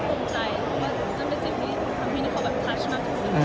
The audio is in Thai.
เพราะว่าจะไปเจอพี่ทำให้เขาแบบทัชมากกว่าสิ